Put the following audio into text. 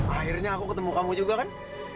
akhirnya aku ketemu kamu juga kan